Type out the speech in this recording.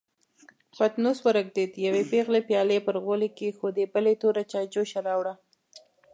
پتنوس ورېږدېد، يوې پېغلې پيالې پر غولي کېښودې، بلې توره چايجوشه راوړه.